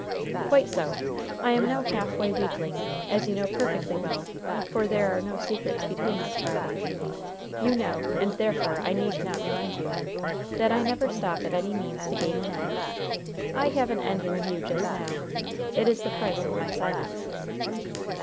"Quite so. I am no halfway weakling, as you know perfectly well for there are no secrets between us, Friday. You know, and therefore I need not remind you, that I never stop at any means to gain an end. I have an end in view just now. It is the price of my silence."